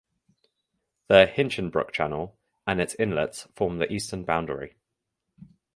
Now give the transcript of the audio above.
The "Hinchinbrook Channel" and its inlets form the eastern boundary.